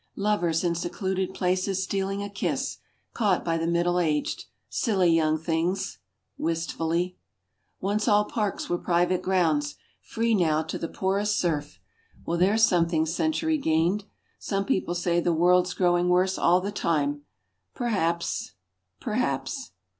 Lovers in secluded places stealing a kiss, caught by the middle aged. "Silly young things," wistfully. Once all parks were private grounds. Free now to the poorest serf. Well, there's something century gained. Some people say the world's growing worse all the time. Perhaps, perhaps....